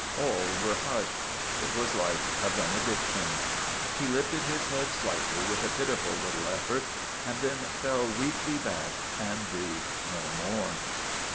All were hushed; it was like a benediction. He lifted his head slightly with a pitiful little effort, and then fell weakly back and breathed no more.